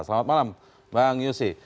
selamat malam bang yose